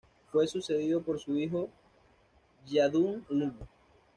Fue sucedido por su hijo Yahdun-Lim.